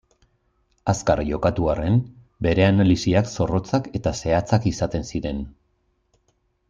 Azkar jokatu arren, bere analisiak zorrotzak eta zehatzak izaten ziren.